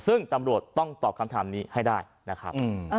ซึ่งตำรวจต้องตอบคำถามนี้ให้ได้นะครับ